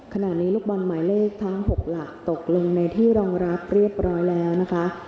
ขณะนี้ลูกบอลหมายเลขทั้ง๖หลักตกลงในที่รองรับเรียบร้อยแล้วนะคะ